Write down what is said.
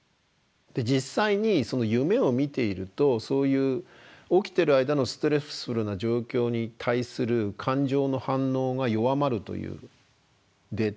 実際に夢を見ているとそういう起きてる間のストレスフルな状況に対する感情の反応が弱まるというデータもあるし。